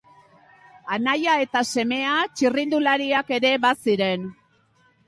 Anaia eta semea txirrindulariak ere baziren.